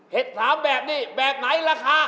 เห็ดสามแบบนี้แบบไหนล่ะคะ